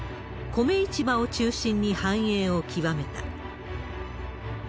コメ市場を中心に繁栄を極めた。